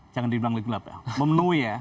jangan dibilang lebih gelap ya memenuhi ya